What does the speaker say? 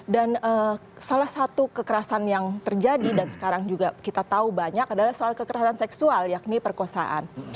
dan salah satu kekerasan yang terjadi dan sekarang juga kita tahu banyak adalah soal kekerasan seksual yakni perkosaan